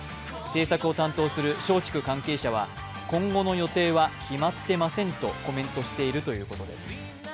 政策を担当する松竹関係者は今後の予定は決まってませんとコメントしているということです。